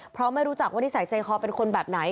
เพราะไม่รู้จักว่านิสัยใจคอเป็นคนแบบไหน